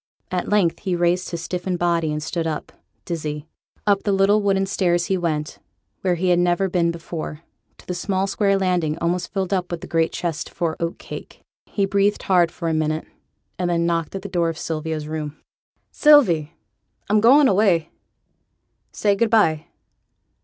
At length he raised his stiffened body, and stood up, dizzy. Up the little wooden stairs he went, where he had never been before, to the small square landing, almost filled up with the great chest for oat cake. He breathed hard for a minute, and then knocked at the door of Sylvia's room. 'Sylvie! I'm going away; say good by.'